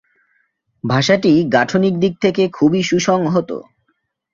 ভাষাটি গাঠনিক দিক থেকে খুবই সুসংহত।